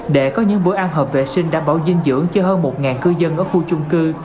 để có những bữa ăn hợp vệ sinh đảm bảo dinh dưỡng cho hơn một cư dân ở khu chung cư